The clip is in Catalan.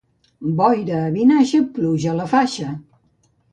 Boira a Vinaixa, pluja a la faixa.